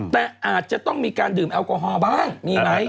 แต่อาจจะต้องมีการดื่มแอลกอฮอล์บ้างมีไหม